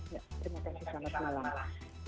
ya terima kasih sama sama